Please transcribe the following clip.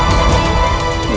banyak musuh mencari kita